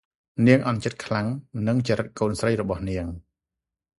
នាងអន់ចិត្តខ្លាំងនិងចរិតកូនស្រីរបស់នាង ។